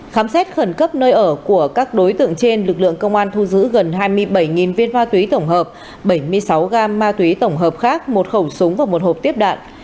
khám xét khẩn cấp nơi ở của các đối tượng trên lực lượng công an thu giữ gần hai mươi bảy viên ma túy tổng hợp bảy mươi sáu gam ma túy tổng hợp khác một khẩu súng và một hộp tiếp đạn